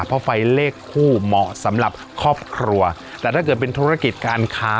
เพราะไฟเลขคู่เหมาะสำหรับครอบครัวแต่ถ้าเกิดเป็นธุรกิจการค้า